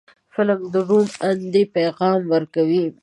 فلم د روڼ اندۍ پیغام ورکوي